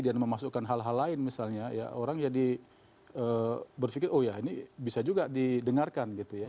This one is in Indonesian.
dan memasukkan hal hal lain misalnya ya orang jadi berpikir oh ya ini bisa juga didengarkan gitu ya